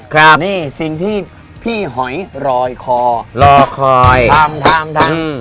ครับนี่สิ่งที่พี่หอยรอยคอรอคอยทำทำทำ